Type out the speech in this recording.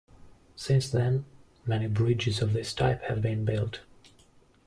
Since then, many bridges of this type have been built.